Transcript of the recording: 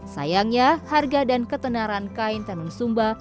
sayangnya harga dan ketenaran kain tenun sumba